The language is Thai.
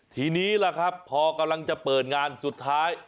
ทีนี้ล่ะครับพอกำลังจะเปิดงานสุดท้าย